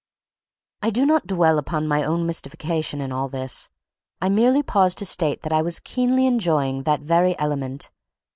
I do not dwell upon my own mystification in all this. I merely pause to state that I was keenly enjoying that very element.